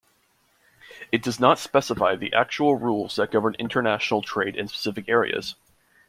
It does not specify the actual rules that govern international trade in specific areas.